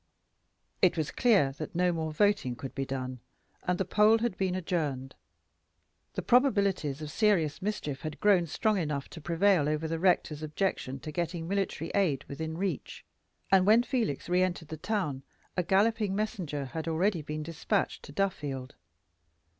It was clear that no more voting could be done, and the poll had been adjourned. The probabilities of serious mischief had grown strong enough to prevail over the rector's objection to getting military aid within reach; and when Felix re entered the town, a galloping messenger had already been dispatched to Duffield.